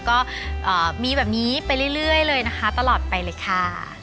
ก็มีแบบนี้ไปเรื่อยเลยนะคะตลอดไปเลยค่ะ